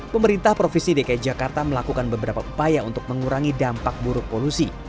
pemerintah provinsi dki jakarta melakukan beberapa upaya untuk mengurangi dampak buruk polusi